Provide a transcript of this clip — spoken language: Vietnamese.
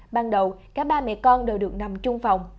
ban đầu cả ba mẹ con đều được nằm trong phòng